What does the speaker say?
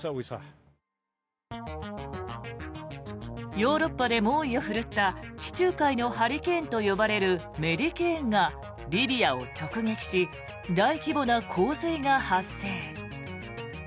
ヨーロッパで猛威を振るった地中海のハリケーンと呼ばれるメディケーンがリビアを直撃し大規模な洪水が発生。